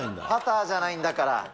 パターじゃないんだから。